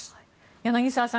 柳澤さん